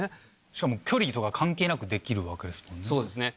しかも、距離とか関係なく、できるわけですもんね。